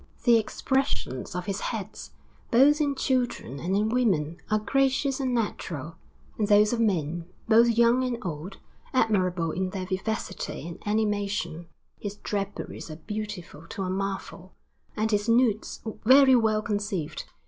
The expressions of his heads, both in children and in women, are gracious and natural, and those of men, both young and old, admirable in their vivacity and animation; his draperies are beautiful to a marvel, and his nudes very well conceived.